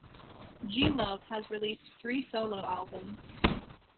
G. Love has released three solo albums.